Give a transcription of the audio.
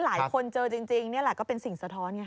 หลายคนเจอจริงนี่แหละก็เป็นสิ่งสะท้อนไง